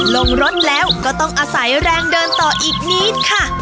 ลงรถแล้วก็ต้องอาศัยแรงเดินต่ออีกนิดค่ะ